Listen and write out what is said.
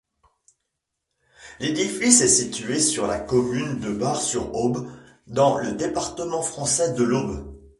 L'édifice est situé sur la commune de Bar-sur-Aube, dans le département français de l'Aube.